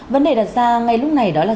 vấn đề đặt ra ngay lúc này đó là